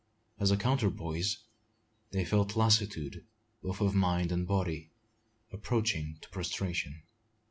As a counterpoise, they felt lassitude both of mind and body, approaching to prostration.